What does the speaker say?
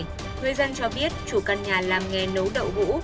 người dân cho biết chủ căn nhà làm nghề nấu đậu gỗ